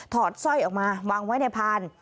สร้อยออกมาวางไว้ในพาน